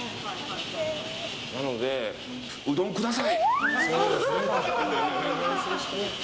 なので、うどんください。